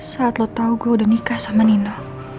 saat lo tau gue udah nikah sama nino